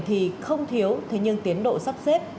thì không thiếu thế nhưng tiến độ sắp xếp